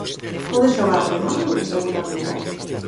Pode xogar de nove ou de segunda punta.